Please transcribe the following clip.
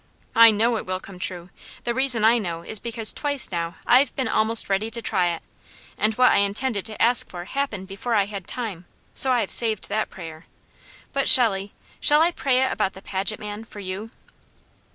I KNOW it will come true. The reason I know is because twice now I've been almost ready to try it, and what I intended to ask for happened before I had time; so I've saved that prayer; but Shelley, shall I pray it about the Paget man, for you?"